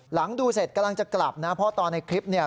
ดูเสร็จกำลังจะกลับนะเพราะตอนในคลิปเนี่ย